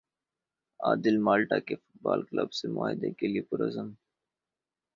عادل Malta کے football club سے معاہدے کے لیے پرعزم